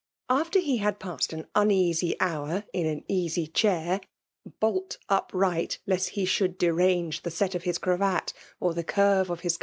After be had passed sn nneasy hour in an easy <diaxrj bolt iqpiight, lest he should derange the set of his cravat, or the ourve of hi8.